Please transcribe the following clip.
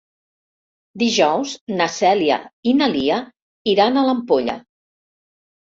Dijous na Cèlia i na Lia iran a l'Ampolla.